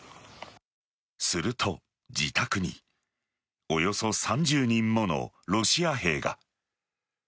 すると、自宅におよそ３０人ものロシア兵が。